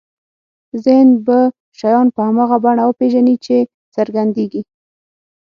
ذهن به شیان په هماغه بڼه وپېژني چې څرګندېږي.